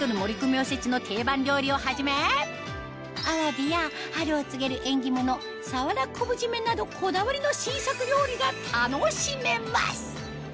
おせちの定番料理をはじめあわびや春を告げる縁起物鰆昆布〆などこだわりの新作料理が楽しめます